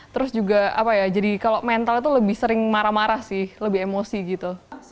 terus juga apa ya jadi kalau mental itu lebih sering marah marah sih lebih emosi gitu